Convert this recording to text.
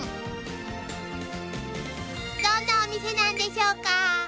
［どんなお店なんでしょうか？］